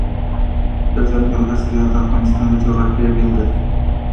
دځنګل حاصلات د افغانستان د جغرافیې بېلګه ده.